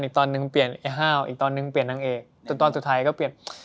ตอนหนึ่งเปลี่ยนไอ้ห้าวอีกตอนนึงเปลี่ยนนางเอกจนตอนสุดท้ายก็เปลี่ยน